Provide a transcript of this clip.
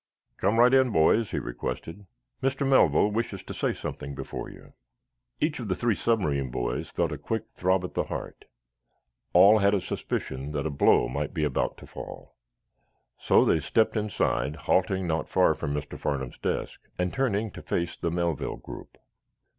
"Come right in, boys," he requested. "Mr. Melville wishes to say something before you." Each of the three submarine boys felt a quick throb at the heart. All had a suspicion that a blow might be about to fall. So they stepped inside, halting not far from Mr. Farnum's desk, and turning to face the Melville group.